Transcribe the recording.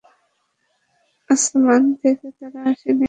আসমান থেকে তারা আসেনি।